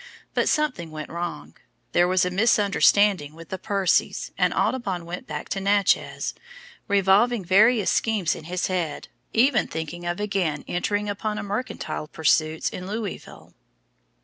But something went wrong, there was a misunderstanding with the Percys, and Audubon went back to Natchez, revolving various schemes in his head, even thinking of again entering upon mercantile pursuits in Louisville.